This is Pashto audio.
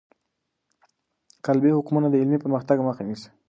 قالبي حکمونه د علمي پرمختګ مخه نیسي.